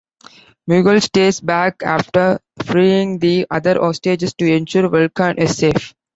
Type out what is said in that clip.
Miguel stays back after freeing the other hostages to ensure Vulcan is safe.